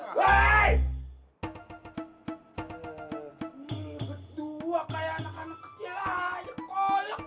ini berdua kayak anak anak kecil aja kolak